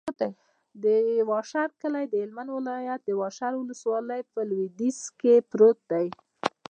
د واشر کلی د هلمند ولایت، واشر ولسوالي په لویدیځ کې پروت دی.